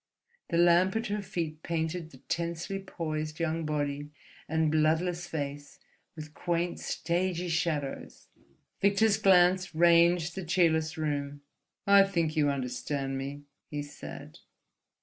The lamp at her feet painted the tensely poised young body and bloodless face with quaint, stagey shadows. Victor's glance ranged the cheerless room. "I think you understand me," he said.